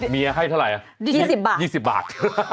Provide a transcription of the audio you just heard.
เมียให้เท่าไรอ่ะยี่สิบบาท